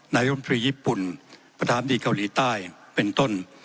นายมตรีญี่ปุ่นประธานดีเกาหลีใต้เป็นต้น